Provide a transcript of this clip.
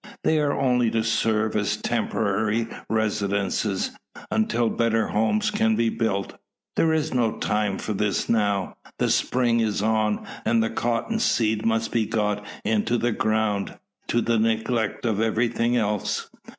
They are only to serve as temporary residences, until better homes can be built. There is no time for this now. The spring is on, and the cotton seed must be got into the ground, to the neglect of everything else.